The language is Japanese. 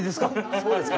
そうですか。